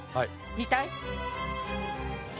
見たい。